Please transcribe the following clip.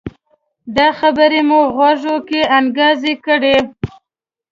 دا خبرې مې غوږو کې انګازې کړي